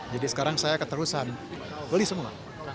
jadi sekarang saya keterusan beli semua